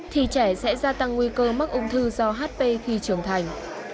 thì trẻ sẽ gia tăng nguy cơ mắc ung thư do hp khi trưởng thành